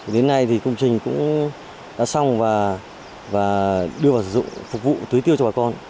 đến nay thì công trình cũng đã xong và đưa vào phục vụ tưới tiêu cho bà con